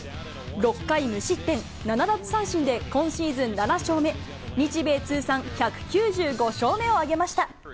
６回無失点７奪三振で、今シーズン７勝目、日米通算１９５勝目を挙げました。